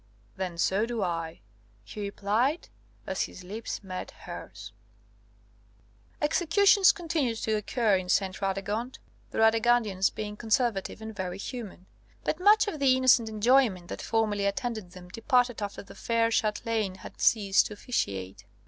"Then so do I," he replied, as his lips met hers. Executions continued to occur in St. Radegonde; the Radegundians being conservative and very human. But much of the innocent enjoyment that formerly attended them departed after the fair Ch√¢telaine had ceased to officiate.